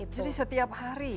jadi setiap hari